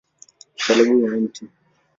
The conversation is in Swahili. Msalaba wa Mt.